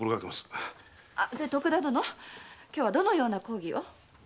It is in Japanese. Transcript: で徳田殿。今日はどのような講義を？